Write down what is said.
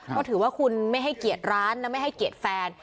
เพราะถือว่าคุณไม่ให้เกียรติร้านและไม่ให้เกียรติแฟน